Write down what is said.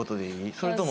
それとも。